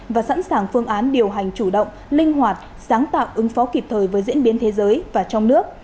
và sẵn sàng phương án điều hành chủ động linh hoạt sáng tạo ứng phó kịp thời với diễn biến thế giới và trong nước